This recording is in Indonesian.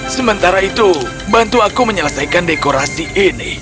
sementara itu bantu aku menyelesaikan dekorasi ini